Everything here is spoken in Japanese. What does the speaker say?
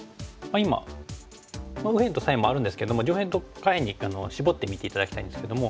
今右辺と左辺もあるんですけども上辺と下辺に絞って見て頂きたいんですけども。